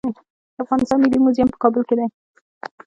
د افغانستان ملي موزیم په کابل کې دی